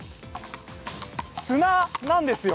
砂なんですよ。